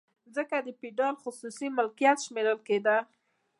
ځمکه د فیوډال خصوصي ملکیت شمیرل کیده.